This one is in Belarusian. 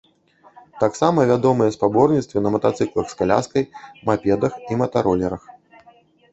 Таксама вядомыя спаборніцтвы на матацыклах з каляскай, мапедах і матаролерах.